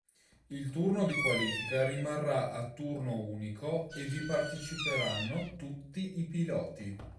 Il turno di qualifica rimarrà a turno unico e vi parteciperanno tutti i piloti.